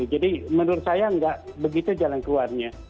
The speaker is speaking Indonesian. jadi menurut saya nggak begitu jalan keluarnya